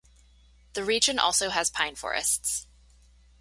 The region also has pine forests.